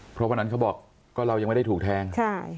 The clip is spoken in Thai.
เพราะวันนั้นเขาบอกก็เรายังไม่ได้ถูกแทง